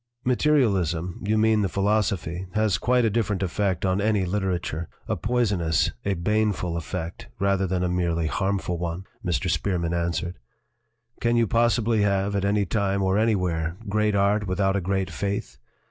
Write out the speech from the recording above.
"Materialism you mean the philosophy has quite a different effect on any literature a poison ous, a baneful effect, rather than a merely harm ful one," Mr. Spearman answered. "Can you possibly have, at any time or anywhere, great art without a great faith?